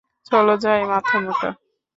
চলো যাই, মাথামোটা।